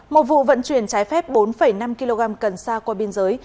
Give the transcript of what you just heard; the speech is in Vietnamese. một vụ vận chuyển trái phép bốn năm kg cần xa qua biên giới